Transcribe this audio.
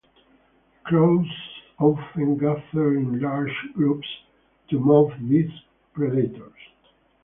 The crows often gather in large groups to mob these predators.